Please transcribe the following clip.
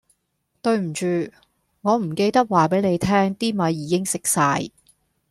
對唔住，我唔記得話俾你聽啲米已經食曬